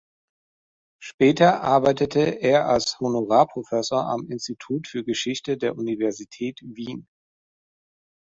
Später arbeitete er als Honorarprofessor am Institut für Geschichte der Universität Wien.